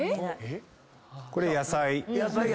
これ野菜。